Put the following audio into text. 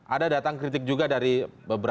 ada datang kritik juga di jawa timur